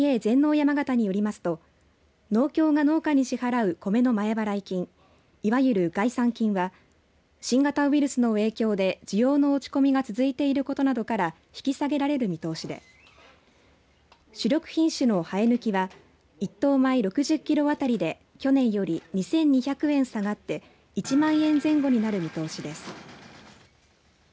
山形によりますと農協が農家に支払うコメの前払い金、いわゆる概算金が、新型ウイルスの影響で需要の落ち込みが続いていることなどから引き下げられる見通しで主力品種のはえぬきは一等米６０キロあたりで去年より２２００円下がって１万円前後になる見通しです。